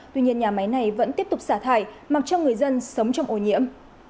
tuy nhiên nhà máy này vẫn tiếp tục xả thải mặc cho người dân sống trong ô nhiễm